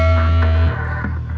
jangan lupa like